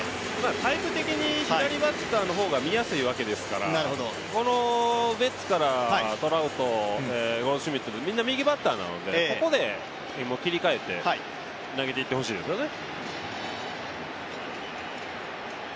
タイプ的に左バッターの方が見やすいわけですから、このベッツからトラウト、ゴールドシュミットと、みんな右バッターなので、ここで切り替えて投げていってほしいですよね。